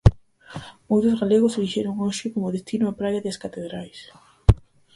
Moitos galegos elixiron hoxe como destino a praia de As Catedrais.